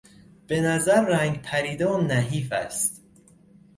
به نظر رنگ پریده و نحیف است.